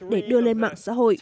để đưa lên mạng